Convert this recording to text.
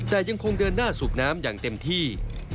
แต่ยังคงเดินหน้าสูบน้ำอย่างเต็มที่